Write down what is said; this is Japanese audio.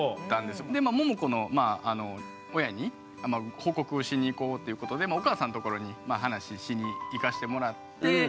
ももこの親に報告をしに行こうっていうことでお母さんのところに話しに行かしてもらって。